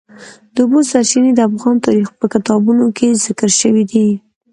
د اوبو سرچینې د افغان تاریخ په کتابونو کې ذکر شوی دي.